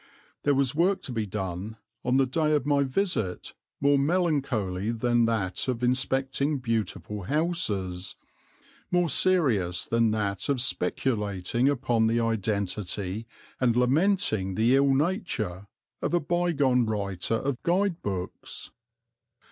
There was work to be done on the day of my visit more melancholy than that of inspecting beautiful houses, more serious than that of speculating upon the identity and lamenting the ill nature of a bygone writer of guide books.